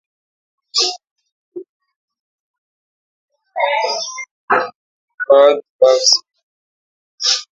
The contents of the first "Zap" were not intended to be the debut issue.